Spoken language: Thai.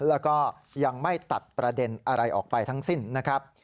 แล้วก็ยังไม่ตัดประเด็นอะไรออกไปทั้งสิ้นนะครับ